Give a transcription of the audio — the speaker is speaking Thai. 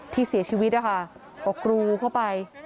ที่เสียชีวิตนะคะก็กรูเข้าไป